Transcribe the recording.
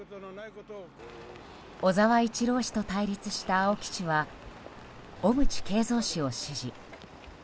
小沢一郎氏と対立した青木氏は小渕恵三氏を支持。